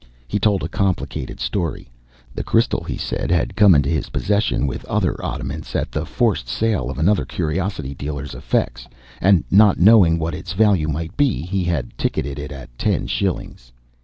He told a complicated story. The crystal he said had come into his possession with other oddments at the forced sale of another curiosity dealer's effects, and not knowing what its value might be, he had ticketed it at ten shillings.